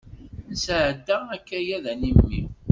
Nesɛedda akayad animi.